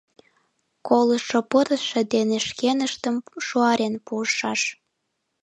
Колышо пырысше дене шкеныштым шуарен пуышаш...